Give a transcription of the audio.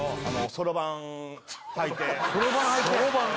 そろばん！？